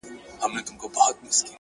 هره بریا د داخلي نظم نتیجه ده،